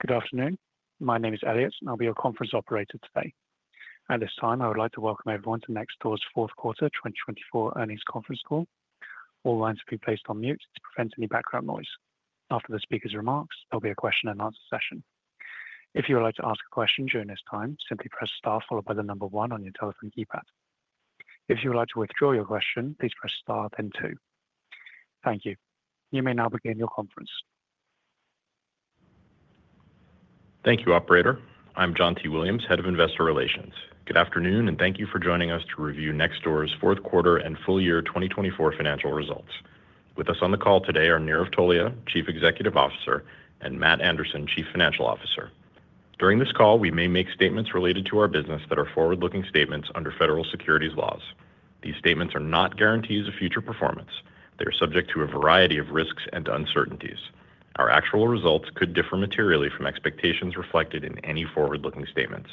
Good afternoon. My name is Elliot, and I'll be your conference operator today. At this time, I would like to welcome everyone to Nextdoor's Fourth Quarter 2024 earnings conference call. All lines will be placed on mute to prevent any background noise. After the speaker's remarks, there'll be a question-and-answer session. If you would like to ask a question during this time, simply press star followed by the number one on your telephone keypad. If you would like to withdraw your question, please press star then two. Thank you. You may now begin your conference. Thank you, Operator. I'm John T. Williams, Head of Investor Relations. Good afternoon, and thank you for joining us to review Nextdoor's fourth quarter and full year 2024 financial results. With us on the call today are Nirav Tolia, Chief Executive Officer, and Matt Anderson, Chief Financial Officer. During this call, we may make statements related to our business that are forward-looking statements under federal securities laws. These statements are not guarantees of future performance. They are subject to a variety of risks and uncertainties. Our actual results could differ materially from expectations reflected in any forward-looking statements.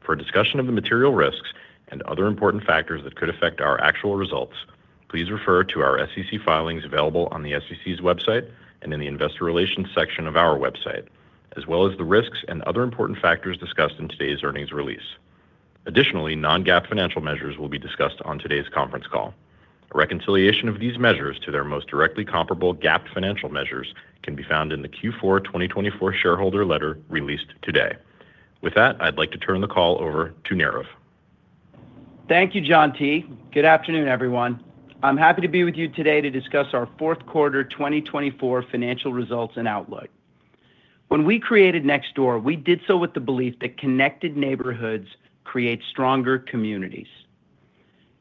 For a discussion of the material risks and other important factors that could affect our actual results, please refer to our SEC filings available on the SEC's website and in the Investor Relations section of our website, as well as the risks and other important factors discussed in today's earnings release. Additionally, non-GAAP financial measures will be discussed on today's conference call. A reconciliation of these measures to their most directly comparable GAAP financial measures can be found in the Q4 2024 shareholder letter released today. With that, I'd like to turn the call over to Nirav. Thank you, John T. Good afternoon, everyone. I'm happy to be with you today to discuss our fourth quarter 2024 financial results and outlook. When we created Nextdoor, we did so with the belief that connected neighborhoods create stronger communities.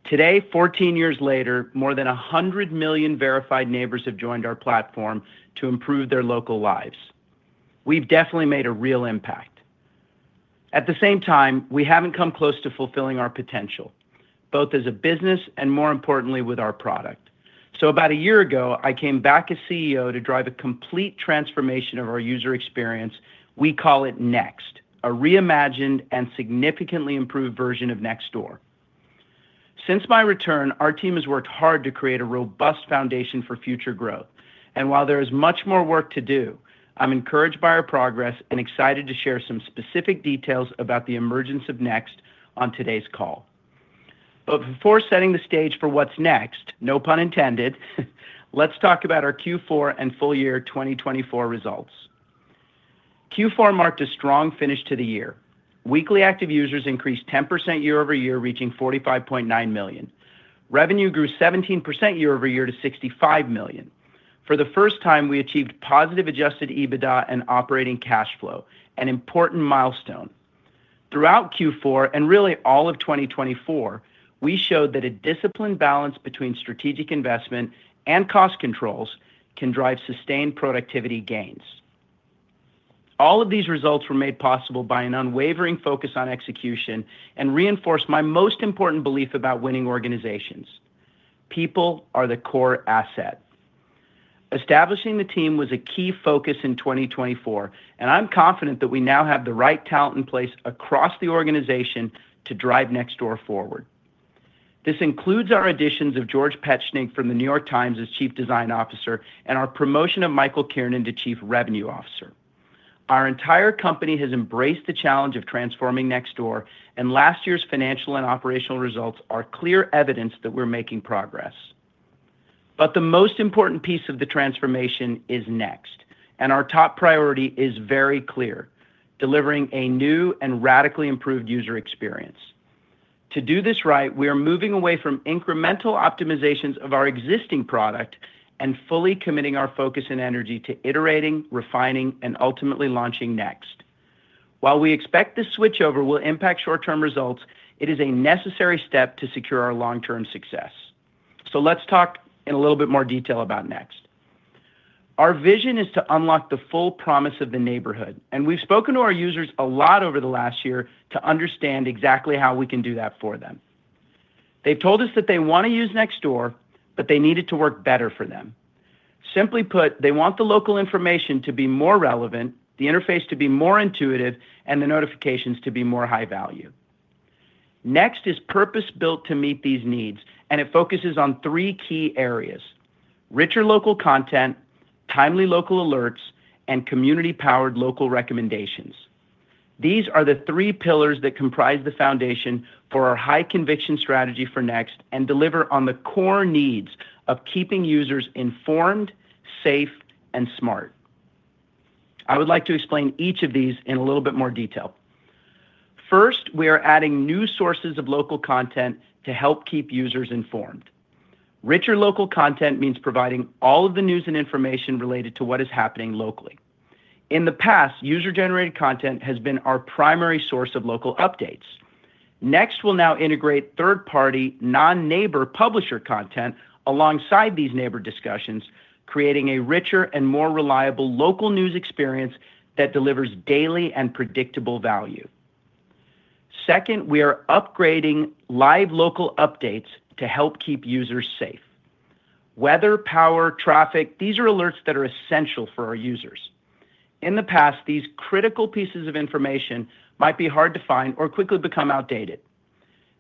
Today, 14 years later, more than 100 million verified neighbors have joined our platform to improve their local lives. We've definitely made a real impact. At the same time, we haven't come close to fulfilling our potential, both as a business and, more importantly, with our product. About a year ago, I came back as CEO to drive a complete transformation of our user experience. We call it Next, a reimagined and significantly improved version of Nextdoor. Since my return, our team has worked hard to create a robust foundation for future growth. While there is much more work to do, I'm encouraged by our progress and excited to share some specific details about the emergence of Next on today's call. Before setting the stage for what's next, no pun intended, let's talk about our Q4 and full year 2024 results. Q4 marked a strong finish to the year. Weekly active users increased 10% year over year, reaching 45.9 million. Revenue grew 17% year over year to $65 million. For the first time, we achieved positive adjusted EBITDA and operating cash flow, an important milestone. Throughout Q4 and really all of 2024, we showed that a disciplined balance between strategic investment and cost controls can drive sustained productivity gains. All of these results were made possible by an unwavering focus on execution and reinforced my most important belief about winning organizations: people are the core asset. Establishing the team was a key focus in 2024, and I'm confident that we now have the right talent in place across the organization to drive Nextdoor forward. This includes our additions of George Petschnig from The New York Times as Chief Design Officer and our promotion of Michael Kiernan to Chief Revenue Officer. Our entire company has embraced the challenge of transforming Nextdoor, and last year's financial and operational results are clear evidence that we're making progress. The most important piece of the transformation is Next, and our top priority is very clear: delivering a new and radically improved user experience. To do this right, we are moving away from incremental optimizations of our existing product and fully committing our focus and energy to iterating, refining, and ultimately launching Next. While we expect this switchover will impact short-term results, it is a necessary step to secure our long-term success. Let's talk in a little bit more detail about Next. Our vision is to unlock the full promise of the neighborhood, and we've spoken to our users a lot over the last year to understand exactly how we can do that for them. They've told us that they want to use Nextdoor, but they need it to work better for them. Simply put, they want the local information to be more relevant, the interface to be more intuitive, and the notifications to be more high value. Next is purpose-built to meet these needs, and it focuses on three key areas: richer local content, timely local alerts, and community-powered local recommendations. These are the three pillars that comprise the foundation for our high conviction strategy for Next and deliver on the core needs of keeping users informed, safe, and smart. I would like to explain each of these in a little bit more detail. First, we are adding new sources of local content to help keep users informed. Richer local content means providing all of the news and information related to what is happening locally. In the past, user-generated content has been our primary source of local updates. Next will now integrate third-party non-neighbor publisher content alongside these neighbor discussions, creating a richer and more reliable local news experience that delivers daily and predictable value. Second, we are upgrading live local updates to help keep users safe. Weather, power, traffic—these are alerts that are essential for our users. In the past, these critical pieces of information might be hard to find or quickly become outdated.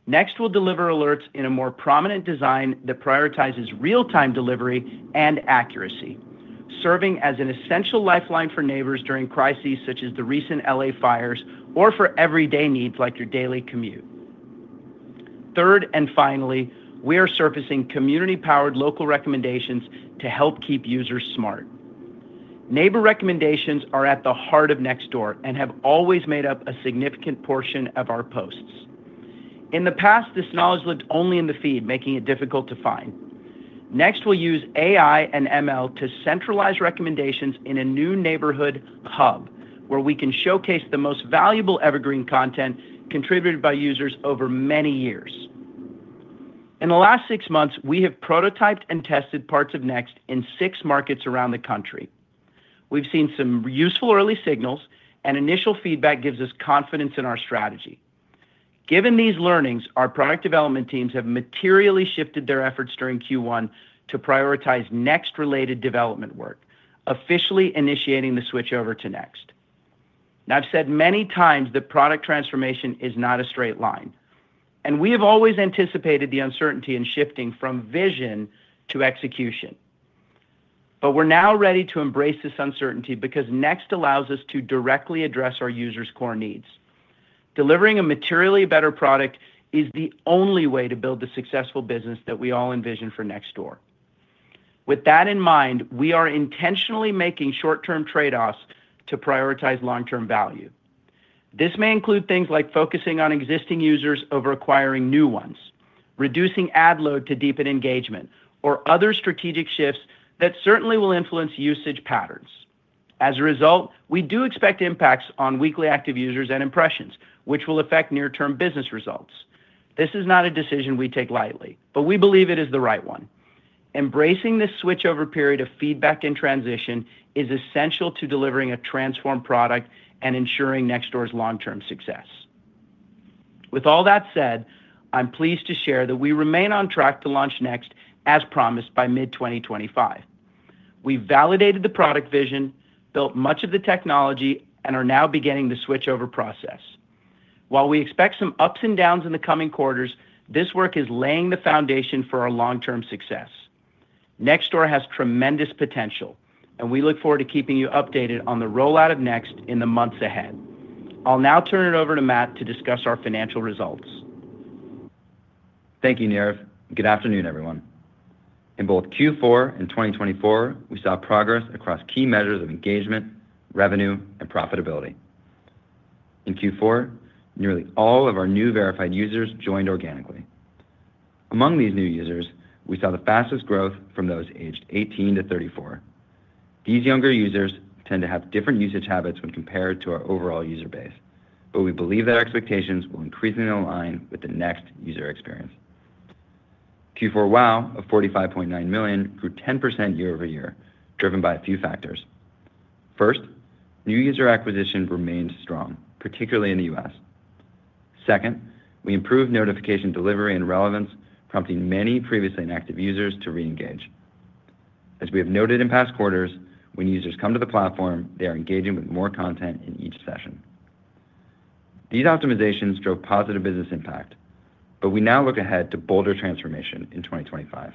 Next will deliver alerts in a more prominent design that prioritizes real-time delivery and accuracy, serving as an essential lifeline for neighbors during crises such as the recent LA fires or for everyday needs like your daily commute. Third and finally, we are surfacing community-powered local recommendations to help keep users smart. Neighbor recommendations are at the heart of Nextdoor and have always made up a significant portion of our posts. In the past, this knowledge lived only in the feed, making it difficult to find. Next will use AI and ML to centralize recommendations in a new neighborhood hub where we can showcase the most valuable evergreen content contributed by users over many years. In the last six months, we have prototyped and tested parts of Next in six markets around the country. We've seen some useful early signals, and initial feedback gives us confidence in our strategy. Given these learnings, our product development teams have materially shifted their efforts during Q1 to prioritize Next-related development work, officially initiating the switchover to Next. I've said many times that product transformation is not a straight line, and we have always anticipated the uncertainty in shifting from vision to execution. We are now ready to embrace this uncertainty because Next allows us to directly address our users' core needs. Delivering a materially better product is the only way to build the successful business that we all envision for Nextdoor. With that in mind, we are intentionally making short-term trade-offs to prioritize long-term value. This may include things like focusing on existing users over acquiring new ones, reducing ad load to deepen engagement, or other strategic shifts that certainly will influence usage patterns. As a result, we do expect impacts on weekly active users and impressions, which will affect near-term business results. This is not a decision we take lightly, but we believe it is the right one. Embracing this switchover period of feedback and transition is essential to delivering a transformed product and ensuring Nextdoor's long-term success. With all that said, I'm pleased to share that we remain on track to launch Next as promised by mid-2025. We've validated the product vision, built much of the technology, and are now beginning the switchover process. While we expect some ups and downs in the coming quarters, this work is laying the foundation for our long-term success. Nextdoor has tremendous potential, and we look forward to keeping you updated on the rollout of Next in the months ahead. I'll now turn it over to Matt to discuss our financial results. Thank you, Nirav. Good afternoon, everyone. In both Q4 and 2024, we saw progress across key measures of engagement, revenue, and profitability. In Q4, nearly all of our new verified users joined organically. Among these new users, we saw the fastest growth from those aged 18-34. These younger users tend to have different usage habits when compared to our overall user base, but we believe their expectations will increasingly align with the Next user experience. Q4 WOW of 45.9 million grew 10% year over year, driven by a few factors. First, new user acquisition remained strong, particularly in the U.S. Second, we improved notification delivery and relevance, prompting many previously inactive users to re-engage. As we have noted in past quarters, when users come to the platform, they are engaging with more content in each session. These optimizations drove positive business impact, but we now look ahead to bolder transformation in 2025.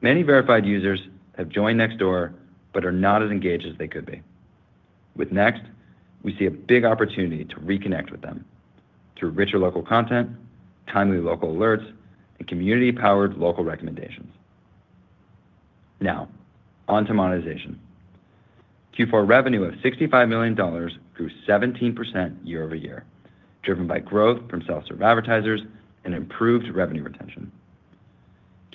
Many verified users have joined Nextdoor but are not as engaged as they could be. With Next, we see a big opportunity to reconnect with them through richer local content, timely local alerts, and community-powered local recommendations. Now, on to monetization. Q4 revenue of $65 million grew 17% year over year, driven by growth from self-serve advertisers and improved revenue retention.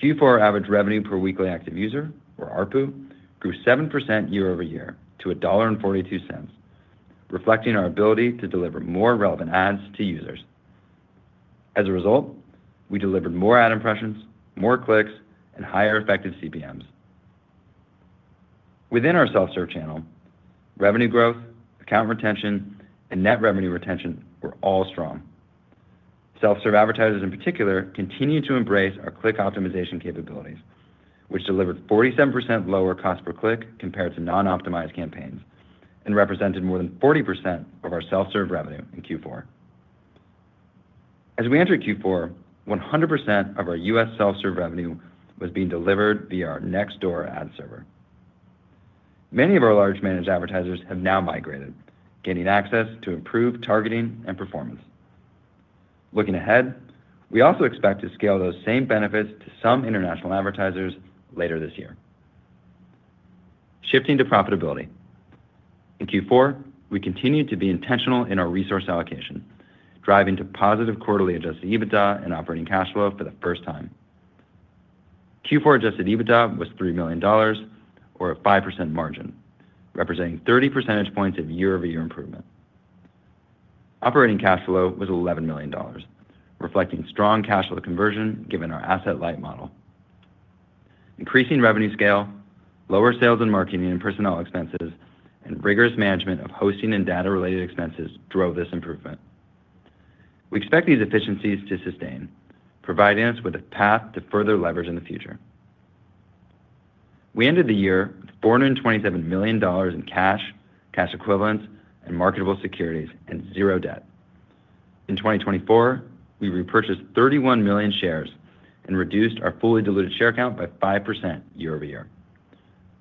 Q4 average revenue per weekly active user, or ARPU, grew 7% year over year to $1.42, reflecting our ability to deliver more relevant ads to users. As a result, we delivered more ad impressions, more clicks, and higher effective CPMs. Within our self-serve channel, revenue growth, account retention, and net revenue retention were all strong. Self-serve advertisers, in particular, continued to embrace our click optimization capabilities, which delivered 47% lower cost per click compared to non-optimized campaigns and represented more than 40% of our self-serve revenue in Q4. As we entered Q4, 100% of our US self-serve revenue was being delivered via our Nextdoor ad server. Many of our large managed advertisers have now migrated, gaining access to improved targeting and performance. Looking ahead, we also expect to scale those same benefits to some international advertisers later this year. Shifting to profitability. In Q4, we continued to be intentional in our resource allocation, driving to positive quarterly adjusted EBITDA and operating cash flow for the first time. Q4 adjusted EBITDA was $3 million, or a 5% margin, representing 30 percentage points of year-over-year improvement. Operating cash flow was $11 million, reflecting strong cash flow conversion given our asset-light model. Increasing revenue scale, lower sales and marketing and personnel expenses, and rigorous management of hosting and data-related expenses drove this improvement. We expect these efficiencies to sustain, providing us with a path to further leverage in the future. We ended the year with $427 million in cash, cash equivalents, and marketable securities, and zero debt. In 2024, we repurchased 31 million shares and reduced our fully diluted share count by 5% year over year.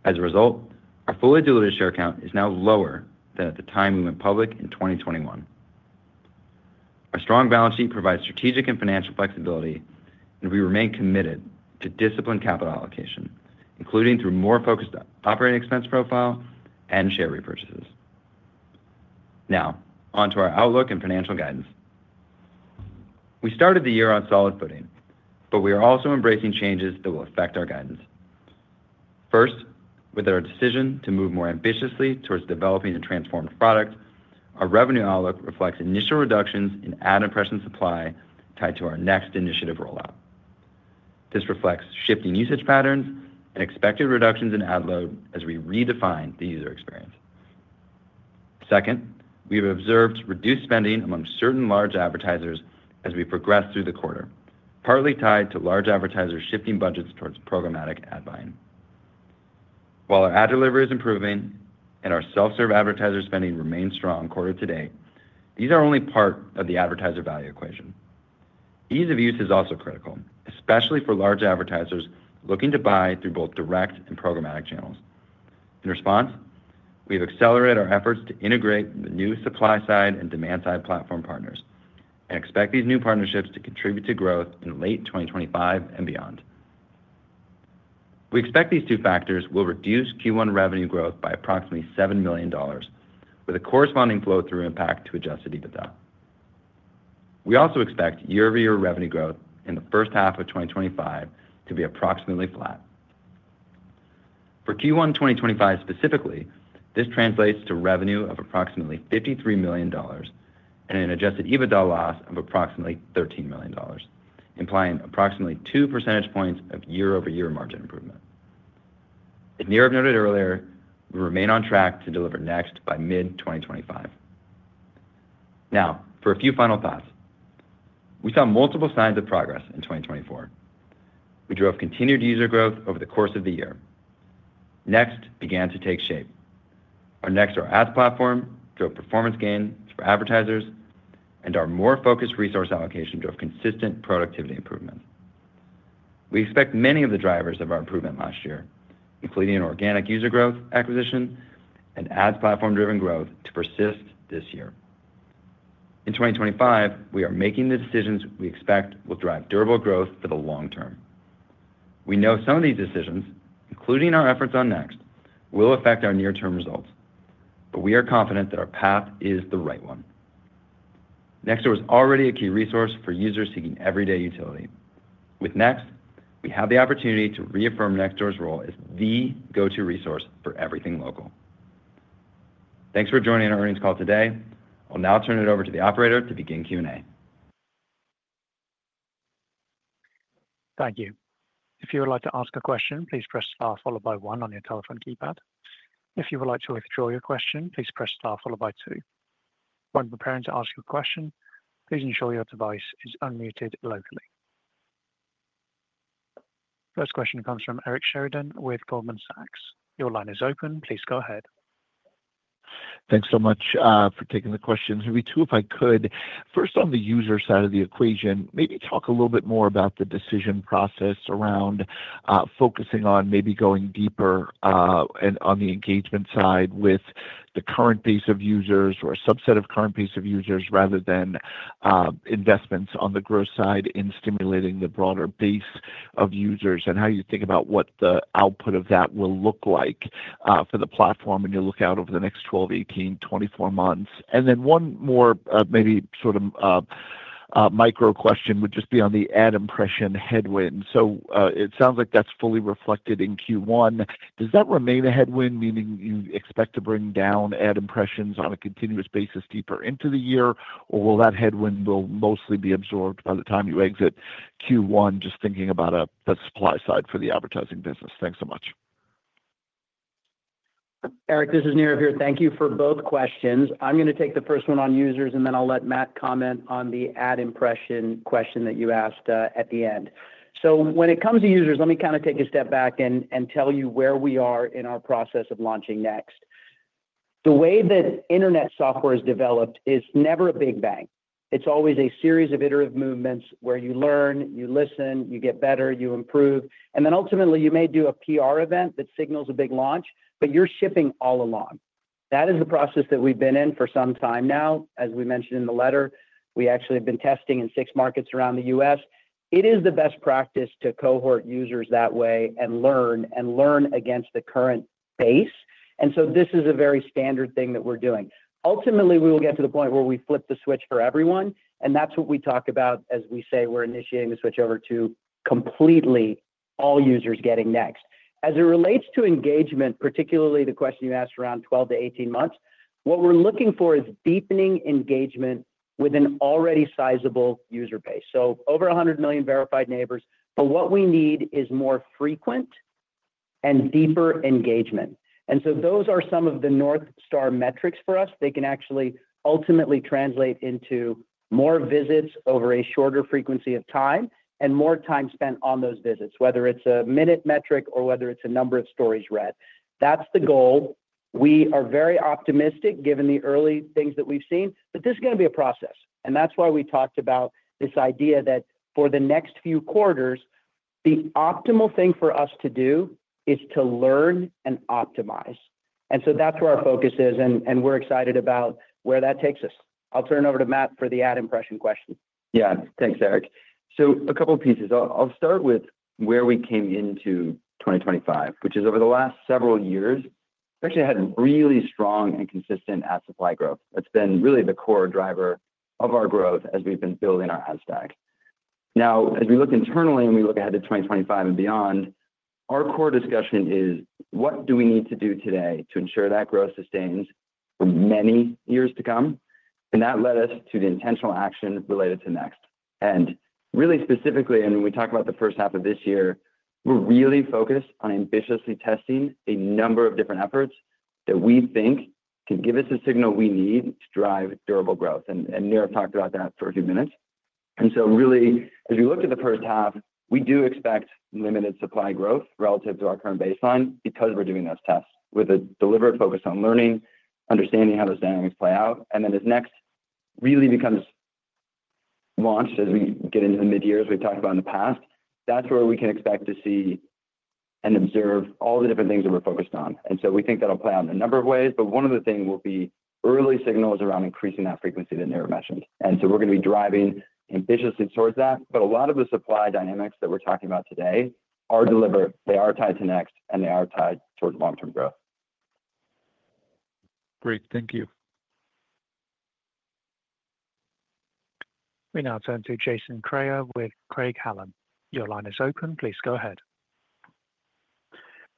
As a result, our fully diluted share count is now lower than at the time we went public in 2021. Our strong balance sheet provides strategic and financial flexibility, and we remain committed to disciplined capital allocation, including through more focused operating expense profile and share repurchases. Now, on to our outlook and financial guidance. We started the year on solid footing, but we are also embracing changes that will affect our guidance. First, with our decision to move more ambitiously towards developing a transformed product, our revenue outlook reflects initial reductions in ad impression supply tied to our Next initiative rollout. This reflects shifting usage patterns and expected reductions in ad load as we redefine the user experience. Second, we have observed reduced spending among certain large advertisers as we progressed through the quarter, partly tied to large advertisers shifting budgets towards programmatic ad buying. While our ad delivery is improving and our self-serve advertiser spending remains strong quarter to date, these are only part of the advertiser value equation. Ease of use is also critical, especially for large advertisers looking to buy through both direct and programmatic channels. In response, we have accelerated our efforts to integrate the new supply-side and demand-side platform partners and expect these new partnerships to contribute to growth in late 2025 and beyond. We expect these two factors will reduce Q1 revenue growth by approximately $7 million, with a corresponding flow-through impact to adjusted EBITDA. We also expect year-over-year revenue growth in the first half of 2025 to be approximately flat. For Q1 2025 specifically, this translates to revenue of approximately $53 million and an adjusted EBITDA loss of approximately $13 million, implying approximately 2 percentage points of year-over-year margin improvement. As Nirav noted earlier, we remain on track to deliver Next by mid-2025. Now, for a few final thoughts. We saw multiple signs of progress in 2024. We drove continued user growth over the course of the year. Next began to take shape. Our Next to our ads platform drove performance gains for advertisers, and our more focused resource allocation drove consistent productivity improvement. We expect many of the drivers of our improvement last year, including organic user growth acquisition and ads platform-driven growth, to persist this year. In 2025, we are making the decisions we expect will drive durable growth for the long term. We know some of these decisions, including our efforts on Next, will affect our near-term results, but we are confident that our path is the right one. Nextdoor is already a key resource for users seeking everyday utility. With Next, we have the opportunity to reaffirm Nextdoor's role as the go-to resource for everything local. Thanks for joining our earnings call today. I'll now turn it over to the operator to begin Q&A. Thank you. If you would like to ask a question, please press star followed by 1 on your telephone keypad. If you would like to withdraw your question, please press star followed by 2. When preparing to ask your question, please ensure your device is unmuted locally. First question comes from Eric Sheridan with Goldman Sachs. Your line is open. Please go ahead. Thanks so much for taking the question. Maybe two, if I could. First, on the user side of the equation, maybe talk a little bit more about the decision process around focusing on maybe going deeper on the engagement side with the current base of users or a subset of current base of users rather than investments on the growth side in stimulating the broader base of users and how you think about what the output of that will look like for the platform when you look out over the next 12, 18, 24 months. One more maybe sort of micro question would just be on the ad impression headwind. It sounds like that's fully reflected in Q1. Does that remain a headwind, meaning you expect to bring down ad impressions on a continuous basis deeper into the year, or will that headwind mostly be absorbed by the time you exit Q1, just thinking about the supply side for the advertising business? Thanks so much. Eric, this is Nirav here. Thank you for both questions. I'm going to take the first one on users, and then I'll let Matt comment on the ad impression question that you asked at the end. When it comes to users, let me kind of take a step back and tell you where we are in our process of launching Next. The way that internet software is developed is never a big bang. It's always a series of iterative movements where you learn, you listen, you get better, you improve, and then ultimately you may do a PR event that signals a big launch, but you're shipping all along. That is the process that we've been in for some time now. As we mentioned in the letter, we actually have been testing in six markets around the U.S. It is the best practice to cohort users that way and learn and learn against the current base. This is a very standard thing that we're doing. Ultimately, we will get to the point where we flip the switch for everyone, and that's what we talk about as we say we're initiating the switch over to completely all users getting Next. As it relates to engagement, particularly the question you asked around 12-18 months, what we're looking for is deepening engagement with an already sizable user base. Over 100 million verified neighbors, but what we need is more frequent and deeper engagement. Those are some of the North Star metrics for us. They can actually ultimately translate into more visits over a shorter frequency of time and more time spent on those visits, whether it's a minute metric or whether it's a number of stories read. That's the goal. We are very optimistic given the early things that we've seen, but this is going to be a process. That is why we talked about this idea that for the next few quarters, the optimal thing for us to do is to learn and optimize. That is where our focus is, and we're excited about where that takes us. I'll turn it over to Matt for the ad impression question. Yeah, thanks, Eric. A couple of pieces. I'll start with where we came into 2025, which is over the last several years, we actually had really strong and consistent ad supply growth. That's been really the core driver of our growth as we've been building our ad stack. Now, as we look internally and we look ahead to 2025 and beyond, our core discussion is, what do we need to do today to ensure that growth sustains for many years to come? That led us to the intentional action related to Next. Really specifically, when we talk about the first half of this year, we're really focused on ambitiously testing a number of different efforts that we think can give us the signal we need to drive durable growth. Nirav talked about that for a few minutes. Really, as we looked at the first half, we do expect limited supply growth relative to our current baseline because we're doing those tests with a deliberate focus on learning, understanding how those dynamics play out. As Next really becomes launched as we get into the mid-years, we've talked about in the past, that's where we can expect to see and observe all the different things that we're focused on. We think that'll play out in a number of ways, but one of the things will be early signals around increasing that frequency that Nirav mentioned. We're going to be driving ambitiously towards that, but a lot of the supply dynamics that we're talking about today are deliberate. They are tied to Next, and they are tied towards long-term growth. Great. Thank you. We now turn to Jason Krayer with Craig-Hallum. Your line is open. Please go ahead.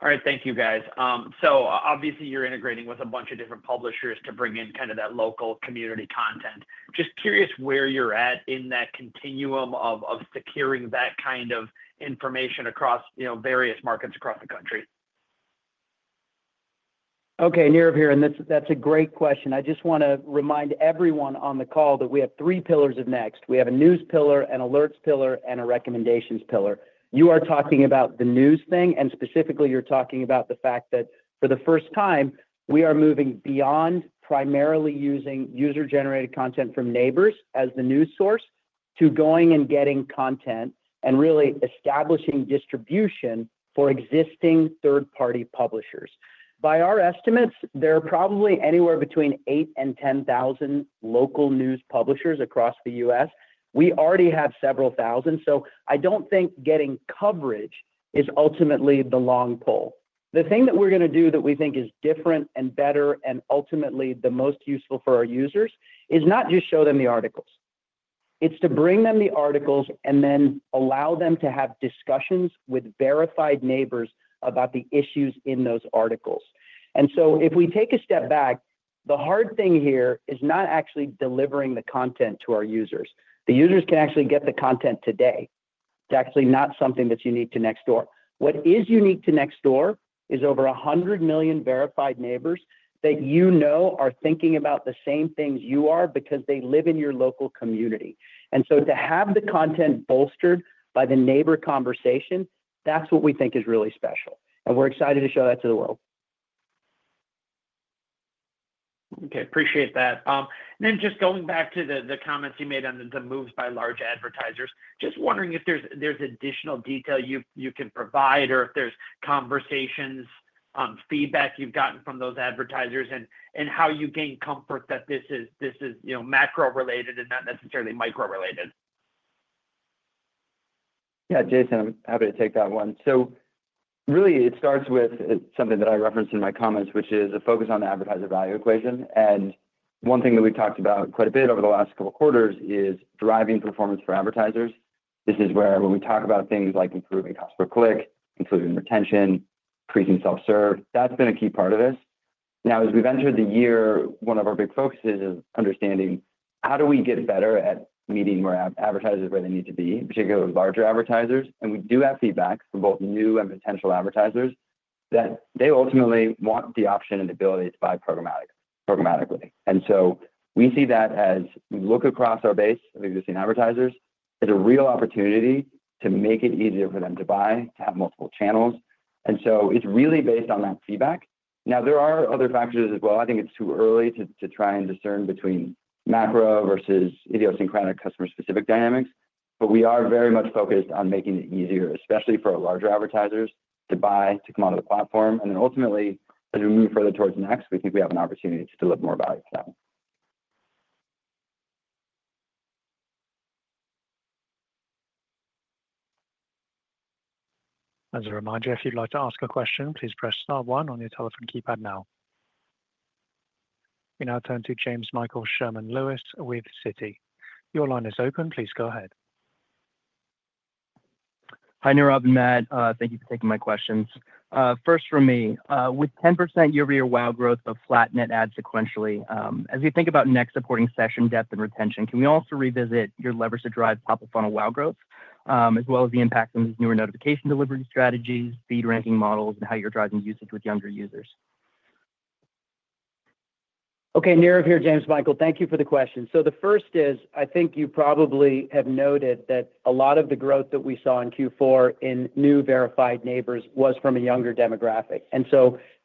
All right. Thank you, guys. Obviously, you're integrating with a bunch of different publishers to bring in kind of that local community content. Just curious where you're at in that continuum of securing that kind of information across various markets across the country. Okay, Nirav here, and that's a great question. I just want to remind everyone on the call that we have three pillars of Next. We have a news pillar, an alerts pillar, and a recommendations pillar. You are talking about the news thing, and specifically, you're talking about the fact that for the first time, we are moving beyond primarily using user-generated content from neighbors as the news source to going and getting content and really establishing distribution for existing third-party publishers. By our estimates, there are probably anywhere between 8,000 and 10,000 local news publishers across the U.S. We already have several thousand, so I don't think getting coverage is ultimately the long pole. The thing that we're going to do that we think is different and better and ultimately the most useful for our users is not just show them the articles. It's to bring them the articles and then allow them to have discussions with verified neighbors about the issues in those articles. If we take a step back, the hard thing here is not actually delivering the content to our users. The users can actually get the content today. It's actually not something that's unique to Nextdoor. What is unique to Nextdoor is over 100 million verified neighbors that you know are thinking about the same things you are because they live in your local community. To have the content bolstered by the neighbor conversation, that's what we think is really special. We're excited to show that to the world. Okay, appreciate that. Just going back to the comments you made on the moves by large advertisers, just wondering if there's additional detail you can provide or if there's conversations, feedback you've gotten from those advertisers and how you gain comfort that this is macro-related and not necessarily micro-related. Yeah, Jason, I'm happy to take that one. It starts with something that I referenced in my comments, which is a focus on the advertiser value equation. One thing that we've talked about quite a bit over the last couple of quarters is driving performance for advertisers. This is where when we talk about things like improving cost per click, improving retention, increasing self-serve, that's been a key part of this. Now, as we've entered the year, one of our big focuses is understanding how do we get better at meeting our advertisers where they need to be, particularly larger advertisers. We do have feedback from both new and potential advertisers that they ultimately want the option and ability to buy programmatically. We see that as we look across our base of existing advertisers, it's a real opportunity to make it easier for them to buy, to have multiple channels. It's really based on that feedback. There are other factors as well. I think it's too early to try and discern between macro versus idiosyncratic customer-specific dynamics, but we are very much focused on making it easier, especially for our larger advertisers, to buy, to come onto the platform. Ultimately, as we move further towards Next, we think we have an opportunity to deliver more value for them. As a reminder, if you'd like to ask a question, please press star 1 on your telephone keypad now. We now turn to Jamesmichael Sherman-Lewis with Citi. Your line is open. Please go ahead. Hi, Nirav and Matt. Thank you for taking my questions. First for me, with 10% year-over-year WOW growth of flat net ads sequentially, as we think about Next supporting session depth and retention, can we also revisit your levers to drive top-of-funnel WOW growth as well as the impact on these newer notification delivery strategies, feed ranking models, and how you're driving usage with younger users? Okay, Nirav here, Jamesmichael. Thank you for the question. The first is, I think you probably have noted that a lot of the growth that we saw in Q4 in new verified neighbors was from a younger demographic.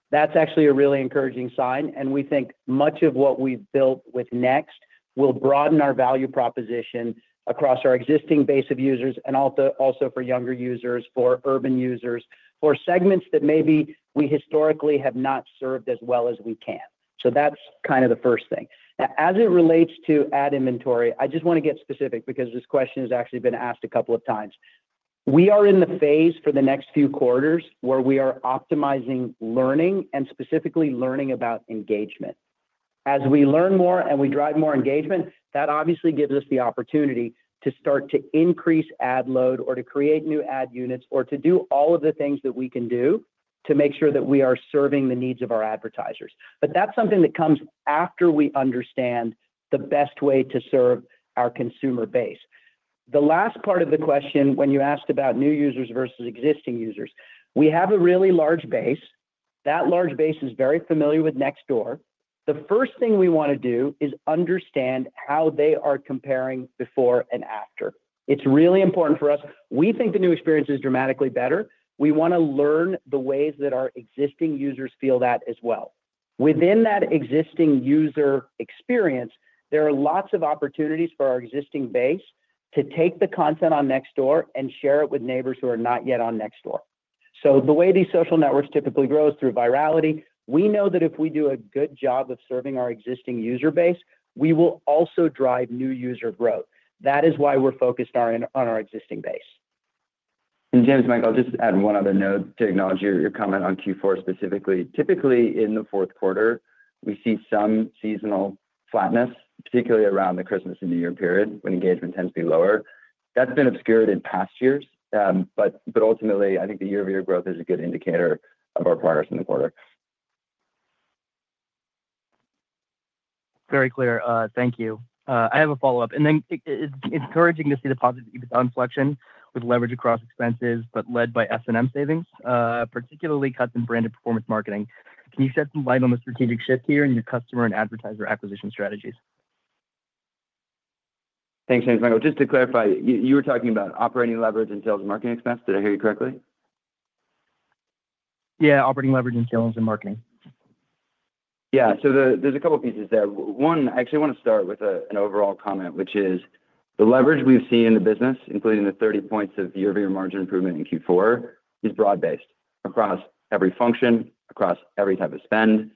That is actually a really encouraging sign. We think much of what we have built with Next will broaden our value proposition across our existing base of users and also for younger users, for urban users, for segments that maybe we historically have not served as well as we can. That is kind of the first thing. Now, as it relates to ad inventory, I just want to get specific because this question has actually been asked a couple of times. We are in the phase for the next few quarters where we are optimizing learning and specifically learning about engagement. As we learn more and we drive more engagement, that obviously gives us the opportunity to start to increase ad load or to create new ad units or to do all of the things that we can do to make sure that we are serving the needs of our advertisers. That is something that comes after we understand the best way to serve our consumer base. The last part of the question, when you asked about new users versus existing users, we have a really large base. That large base is very familiar with Nextdoor. The first thing we want to do is understand how they are comparing before and after. It is really important for us. We think the new experience is dramatically better. We want to learn the ways that our existing users feel that as well. Within that existing user experience, there are lots of opportunities for our existing base to take the content on Nextdoor and share it with neighbors who are not yet on Nextdoor. The way these social networks typically grow is through virality. We know that if we do a good job of serving our existing user base, we will also drive new user growth. That is why we're focused on our existing base. Jamesmichael, just to add one other note, to acknowledge your comment on Q4 specifically, typically in the fourth quarter, we see some seasonal flatness, particularly around the Christmas and New Year period when engagement tends to be lower. That's been obscured in past years, but ultimately, I think the year-over-year growth is a good indicator of our progress in the quarter. Very clear. Thank you. I have a follow-up. It is encouraging to see the positive inflation with leverage across expenses, but led by S&M savings, particularly cuts in branded performance marketing. Can you shed some light on the strategic shift here in your customer and advertiser acquisition strategies? Thanks, James Michael. Just to clarify, you were talking about operating leverage and sales and marketing expense. Did I hear you correctly? Yeah, operating leverage and sales and marketing. Yeah, so there's a couple of pieces there. One, I actually want to start with an overall comment, which is the leverage we've seen in the business, including the 30 points of year-over-year margin improvement in Q4, is broad-based across every function, across every type of spend.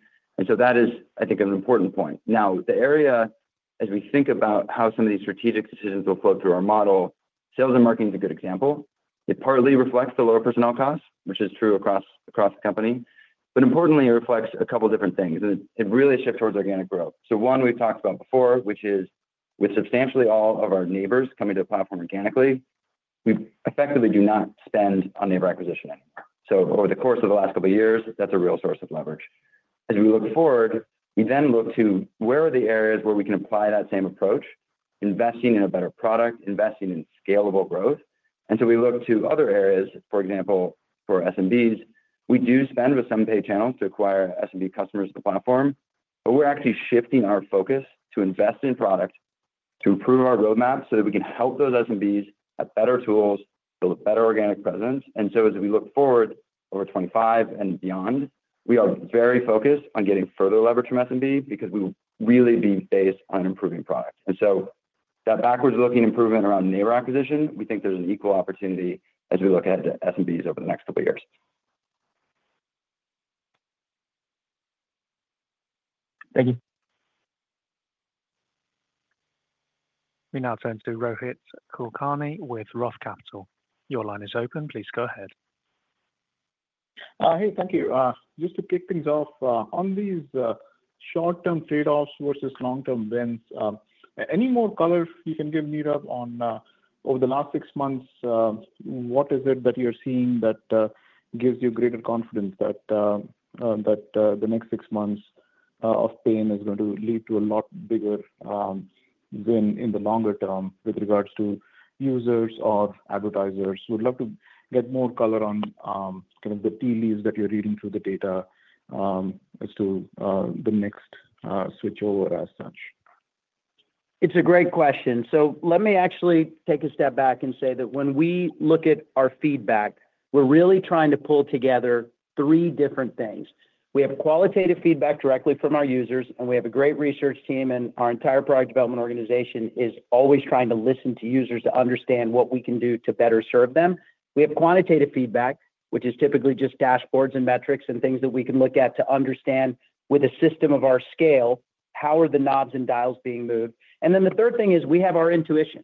That is, I think, an important point. Now, the area, as we think about how some of these strategic decisions will flow through our model, sales and marketing is a good example. It partly reflects the lower personnel costs, which is true across the company. Importantly, it reflects a couple of different things. It really shifts towards organic growth. One, we've talked about before, which is with substantially all of our neighbors coming to the platform organically, we effectively do not spend on neighbor acquisition anymore. Over the course of the last couple of years, that's a real source of leverage. As we look forward, we then look to where are the areas where we can apply that same approach, investing in a better product, investing in scalable growth. We look to other areas, for example, for S&Bs. We do spend with some paid channels to acquire S&B customers to the platform, but we're actually shifting our focus to invest in product to improve our roadmap so that we can help those S&Bs have better tools, build a better organic presence. As we look forward over 2025 and beyond, we are very focused on getting further leverage from S&B because we will really be based on improving product. That backwards-looking improvement around neighbor acquisition, we think there's an equal opportunity as we look ahead to S&Bs over the next couple of years. Thank you. We now turn to Rohit Kulkarni with ROTH Capital. Your line is open. Please go ahead. Hey, thank you. Just to kick things off, on these short-term trade-offs versus long-term wins, any more color you can give, Nirav, on over the last six months, what is it that you're seeing that gives you greater confidence that the next six months of pain is going to lead to a lot bigger win in the longer term with regards to users or advertisers? We'd love to get more color on kind of the tea leaves that you're reading through the data as to the next switch over as such. It's a great question. Let me actually take a step back and say that when we look at our feedback, we're really trying to pull together three different things. We have qualitative feedback directly from our users, and we have a great research team, and our entire product development organization is always trying to listen to users to understand what we can do to better serve them. We have quantitative feedback, which is typically just dashboards and metrics and things that we can look at to understand with a system of our scale, how are the knobs and dials being moved. The third thing is we have our intuition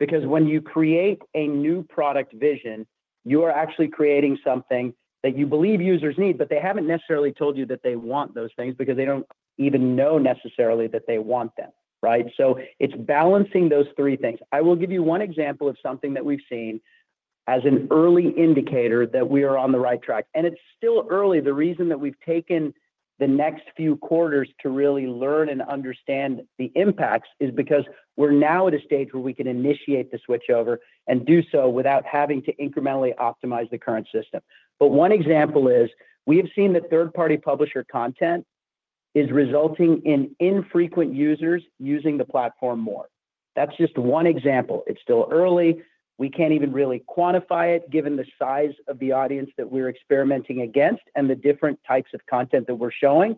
because when you create a new product vision, you are actually creating something that you believe users need, but they have not necessarily told you that they want those things because they do not even know necessarily that they want them, right? It is balancing those three things. I will give you one example of something that we have seen as an early indicator that we are on the right track. It is still early. The reason that we have taken the next few quarters to really learn and understand the impacts is because we are now at a stage where we can initiate the switch over and do so without having to incrementally optimize the current system. One example is we have seen that third-party publisher content is resulting in infrequent users using the platform more. That is just one example. It is still early. We can't even really quantify it given the size of the audience that we're experimenting against and the different types of content that we're showing.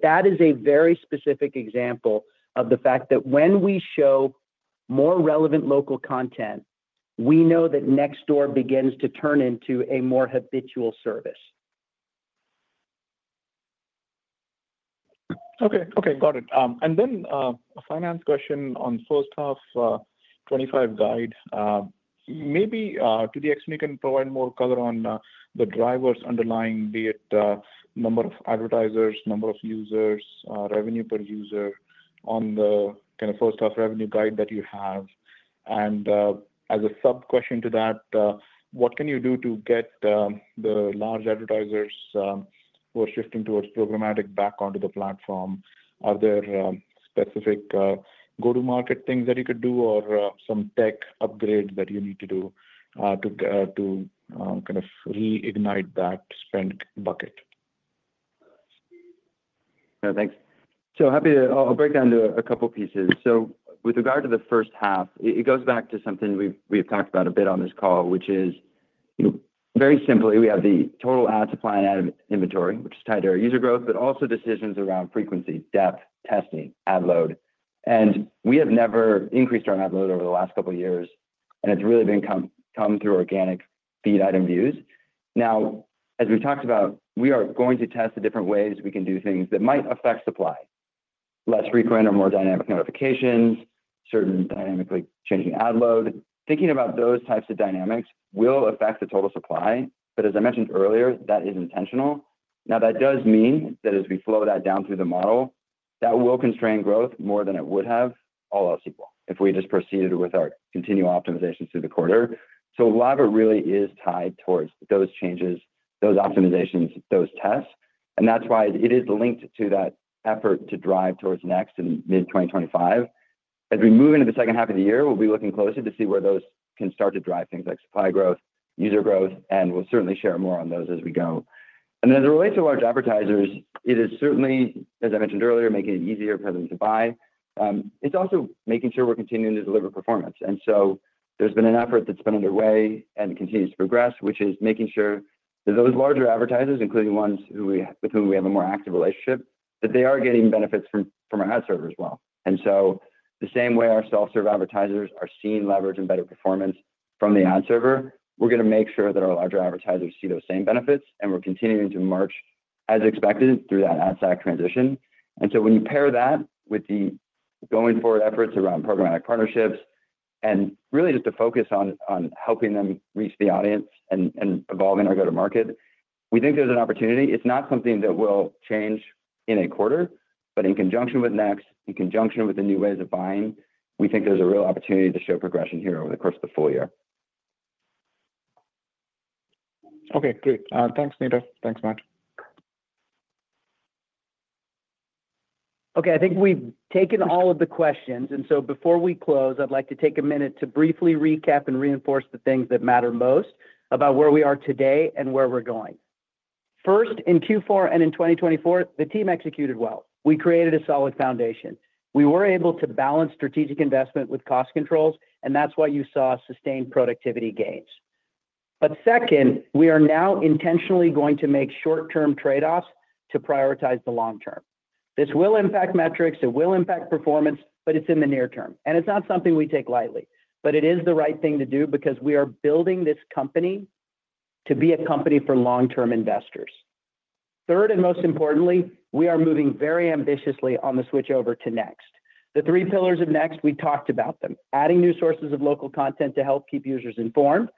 That is a very specific example of the fact that when we show more relevant local content, we know that Nextdoor begins to turn into a more habitual service. Okay, okay, got it. Then a finance question on first half 2025 guide. Maybe to the extent you can provide more color on the drivers underlying, be it number of advertisers, number of users, revenue per user on the kind of first-half revenue guide that you have. As a sub-question to that, what can you do to get the large advertisers who are shifting towards programmatic back onto the platform? Are there specific go-to-market things that you could do or some tech upgrades that you need to do to kind of reignite that spend bucket? Thanks. I'll break down to a couple of pieces. With regard to the first half, it goes back to something we've talked about a bit on this call, which is very simply, we have the total ad supply and ad inventory, which is tied to our user growth, but also decisions around frequency, depth, testing, ad load. We have never increased our ad load over the last couple of years, and it's really come through organic feed item views. As we've talked about, we are going to test the different ways we can do things that might affect supply: less frequent or more dynamic notifications, certain dynamically changing ad load. Thinking about those types of dynamics will affect the total supply. As I mentioned earlier, that is intentional. Now, that does mean that as we flow that down through the model, that will constrain growth more than it would have all else equal if we just proceeded with our continued optimizations through the quarter. A lot of it really is tied towards those changes, those optimizations, those tests. That is why it is linked to that effort to drive towards Next in mid-2025. As we move into the second half of the year, we'll be looking closer to see where those can start to drive things like supply growth, user growth, and we'll certainly share more on those as we go. As it relates to large advertisers, it is certainly, as I mentioned earlier, making it easier for them to buy. It's also making sure we're continuing to deliver performance. There has been an effort that's been underway and continues to progress, which is making sure that those larger advertisers, including ones with whom we have a more active relationship, that they are getting benefits from our ad server as well. The same way our self-serve advertisers are seeing leverage and better performance from the ad server, we're going to make sure that our larger advertisers see those same benefits, and we're continuing to march as expected through that ad stack transition. When you pair that with the going forward efforts around programmatic partnerships and really just a focus on helping them reach the audience and evolving our go-to-market, we think there's an opportunity. It's not something that will change in a quarter, but in conjunction with Next, in conjunction with the new ways of buying, we think there's a real opportunity to show progression here over the course of the full year. Okay, great. Thanks, Nirav. Thanks, Matt. Okay, I think we've taken all of the questions. Before we close, I'd like to take a minute to briefly recap and reinforce the things that matter most about where we are today and where we're going. First, in Q4 and in 2024, the team executed well. We created a solid foundation. We were able to balance strategic investment with cost controls, and that's why you saw sustained productivity gains. Second, we are now intentionally going to make short-term trade-offs to prioritize the long term. This will impact metrics. It will impact performance, but it's in the near term. It's not something we take lightly, but it is the right thing to do because we are building this company to be a company for long-term investors. Third, and most importantly, we are moving very ambitiously on the switch over to Next. The three pillars of Next, we talked about them: adding new sources of local content to help keep users informed,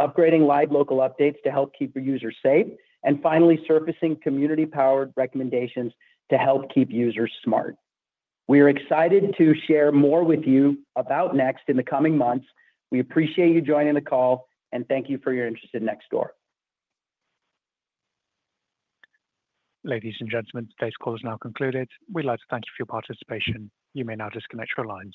upgrading live local updates to help keep users safe, and finally, surfacing community-powered recommendations to help keep users smart. We are excited to share more with you about Next in the coming months. We appreciate you joining the call, and thank you for your interest in Nextdoor. Ladies and gentlemen, today's call is now concluded. We'd like to thank you for your participation. You may now disconnect your lines.